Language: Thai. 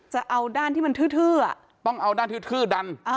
จะเอาด้านที่มันทื้อต้องเอาด้านทื้อดัน